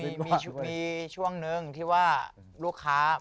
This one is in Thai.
มีช่วงนึงที่ว่าลูกค้า